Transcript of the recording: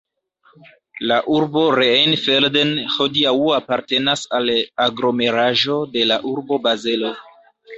La urbo Rheinfelden hodiaŭ apartenas al la aglomeraĵo de la urbo Bazelo.